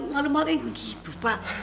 malem malem yang begitu pak